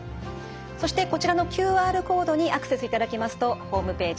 そしてこちらのＱＲコードにアクセスいただきますとホームページ